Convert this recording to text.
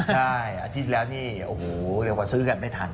ใช่อาทิตย์ที่แล้วนี่โอ้โหเรียกว่าซื้อกันไม่ทัน